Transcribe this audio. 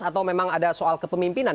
atau memang ada soal kepemimpinan